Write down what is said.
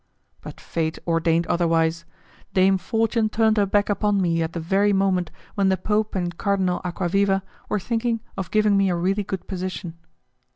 But fate ordained otherwise; Dame Fortune turned her back upon me at the very moment when the Pope and Cardinal Acquaviva were thinking of giving me a really good position.